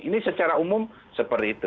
ini secara umum seperti itu